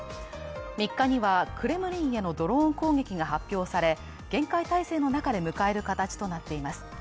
３日にはクレムリンへのドローン攻撃が発表され、厳戒態勢の中で迎える形となっています。